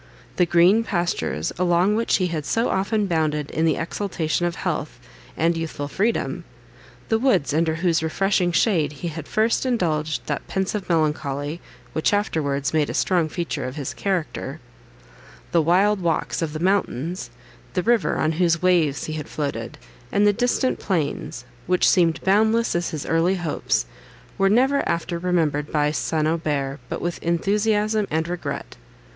The green pastures along which he had so often bounded in the exultation of health, and youthful freedom—the woods, under whose refreshing shade he had first indulged that pensive melancholy, which afterwards made a strong feature of his character—the wild walks of the mountains, the river, on whose waves he had floated, and the distant plains, which seemed boundless as his early hopes—were never after remembered by St. Aubert but with enthusiasm and regret.